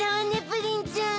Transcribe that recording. プリンちゃん。